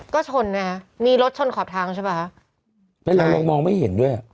ก็ชนนะฮะมีรถชนขอบทางใช่ป่ะใช่ดูมองมาไม่เห็นด้วย